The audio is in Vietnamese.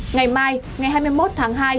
ngày mai ngày hai mươi một tháng hai